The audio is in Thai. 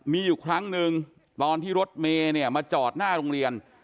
มีอยู่ครั้งหนึ่งตอนที่รถเมย์เนี่ยมาจอดหน้าโรงเรียน